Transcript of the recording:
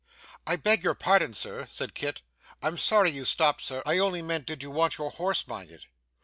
'I beg your pardon, sir,' said Kit. 'I'm sorry you stopped, sir. I only meant did you want your horse minded.